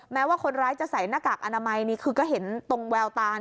แม้ว่าคนร้ายจะใส่หน้ากากอนามัยนี่คือก็เห็นตรงแววตา